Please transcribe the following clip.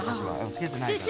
つけてないから。